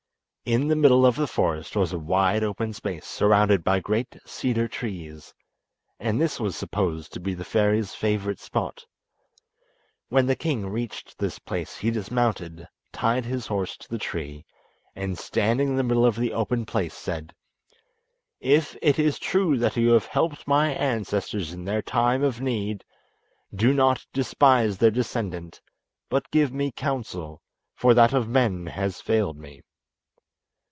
In the middle of the forest was a wide open space surrounded by great cedar trees, and this was supposed to be the fairy's favourite spot. When the king reached this place he dismounted, tied his horse to the tree, and standing in the middle of the open place said: "If it is true that you have helped my ancestors in their time of need, do not despise their descendant, but give me counsel, for that of men has failed me."